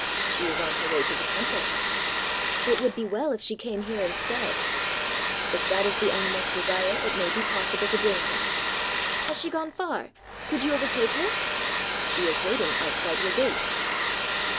"She is on her way to the Temple." "It would be well if she came here instead." "If that is the Animal's desire it may be possible to bring her." "Has she gone far? Could you overtake her?" "She is waiting outside your gate."